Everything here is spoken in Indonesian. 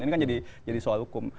ini kan jadi soal hukum